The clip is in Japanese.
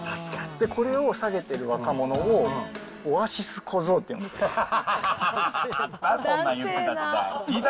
これを提げてる若者を、オアシス小僧って呼んでた。